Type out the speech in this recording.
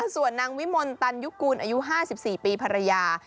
ส่วนนางวิมลตันยุกูลอายุ๕๔ปีภรรยา